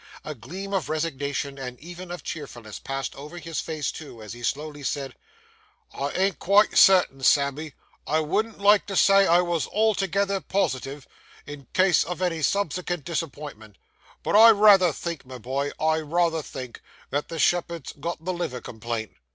A gleam of resignation, and even of cheerfulness, passed over his face too, as he slowly said, 'I ain't quite certain, Sammy; I wouldn't like to say I wos altogether positive, in case of any subsekent disappointment, but I rayther think, my boy, I rayther think, that the shepherd's got the liver complaint!